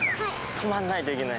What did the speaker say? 止まんないといけない。